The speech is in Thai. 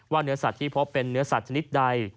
ว่าเหนือสัตว์ที่เพราะเป็นเหนือสัตว์ชนิดใด